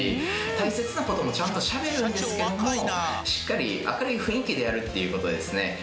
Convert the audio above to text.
大切な事もちゃんとしゃべるんですけどもしっかり明るい雰囲気でやるっていう事ですね。